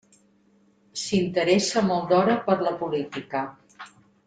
S'interessa molt d'hora per la política.